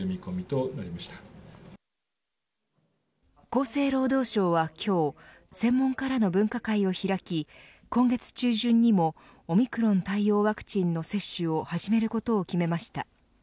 厚生労働省は今日専門家らの分科会を開き今月中旬にもオミクロン対応ワクチンの接種を始めることを決めました。